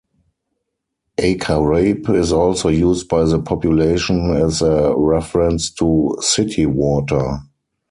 Acarape is also used by the population as a reference to city water.